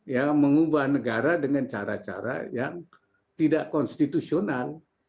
ya mengubah negara dengan cara cara yang tidak konstitusional